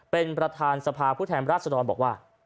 เป็นประธานสภาพุทธแห่งราชดรบอกว่า